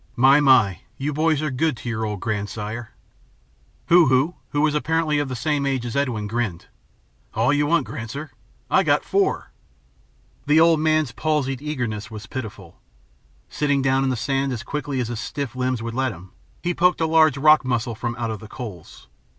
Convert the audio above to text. My, my, you boys are good to your old grandsire." Hoo Hoo, who was apparently of the same age as Edwin, grinned. "All you want, Granser. I got four." The old man's palsied eagerness was pitiful. Sitting down in the sand as quickly as his stiff limbs would let him, he poked a large rock mussel from out of the coals.